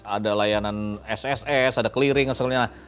ada layanan sss ada clearing dan sebagainya